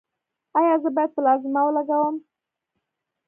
ایا زه باید پلازما ولګوم؟